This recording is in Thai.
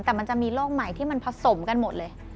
แต่มันจะมีโรคใหม่ที่มันผสมกันหมดเลย